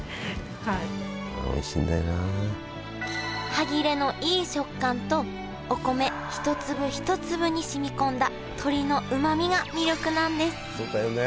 歯切れのいい食感とお米一粒一粒に染み込んだ鶏のうまみが魅力なんですそうだよね。